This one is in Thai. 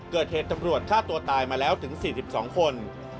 เกิดเหตุตำรวจฆ่าตัวตายมาแล้วถึง๔๒คน